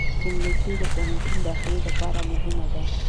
انګلیسي د پوهنتون داخلې لپاره مهمه ده